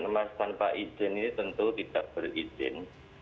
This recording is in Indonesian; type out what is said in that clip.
dan emas tanpa izin ini tentu tidak berizin